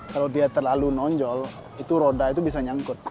kalau dia terlalu nonjol itu roda itu bisa nyangkut